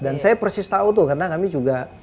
dan saya persis tahu tuh karena kami juga